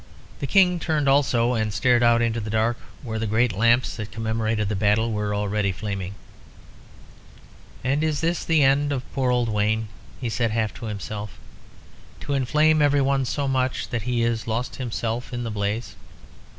The King turned also, and stared out into the dark, where the great lamps that commemorated the battle were already flaming. "And is this the end of poor old Wayne?" he said, half to himself. "To inflame every one so much that he is lost himself in the blaze.